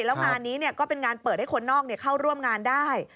แล้วงานนี้ก็เป็นงานเปิดให้คนนอกเข้าร่วมงานได้